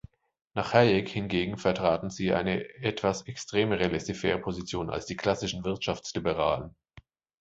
Nach Hayek hingegen vertraten sie eine „etwas extremere laissez-faire-Position“ als die klassischen Wirtschaftsliberalen.